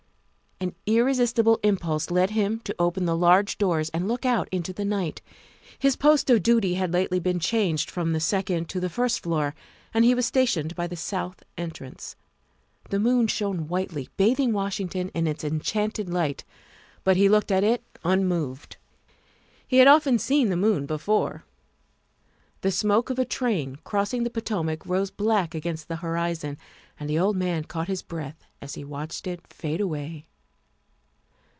An irresistible impulse led him to open the large doors and look out into the night. His post of duty had lately been changed from the second to the first floor, and he was stationed by the south entrance. The moon shone whitely, bathing Washington in its en 18 274 THE WIFE OF chanted light, but he looked at it unmoved. He had often seen the moon before. The smoke of a train cross ing the Potomac rose black against the horizon, and the old man caught his breath as he watched it fade away.